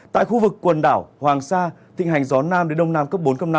tại khu vực quần đảo hoàng sa thịnh hành gió nam đến đông nam cấp bốn cấp năm